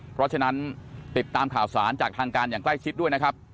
เพราะฉะนั้นติดตามข่าวสารจากทางการอย่างใกล้ชิดด้วยนะครับ